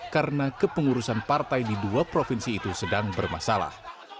karena kepengurusan partai di dua provinsi itu sedang bermasalah